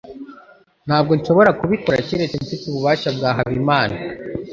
Ntabwo nshobora kubikora keretse mfite ubufasha bwa Habimana.